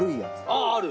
あっある。